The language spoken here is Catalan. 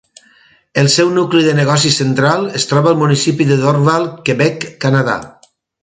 El seu nucli de negoci central es troba al municipi de Dorval, Quebec, Canadà.